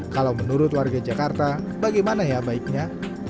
kalau menurut warga jakarta bagaimana ya baiknya